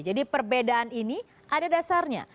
jadi perbedaan ini ada dasarnya